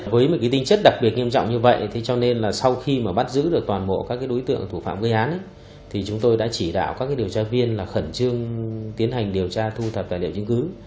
với một tinh chất đặc biệt nghiêm trọng như vậy thế cho nên là sau khi bắt giữ được toàn bộ các đối tượng thủ phạm gây án thì chúng tôi đã chỉ đạo các điều tra viên là khẩn trương tiến hành điều tra thu thập tài liệu chứng cứ